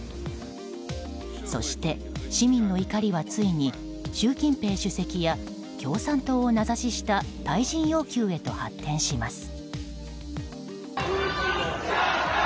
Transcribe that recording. そして市民の怒りはついに習近平主席や共産党を名指しした退陣要求へと発展します。